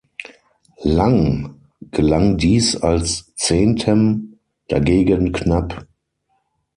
Lang gelang dies als Zehntem dagegen knapp.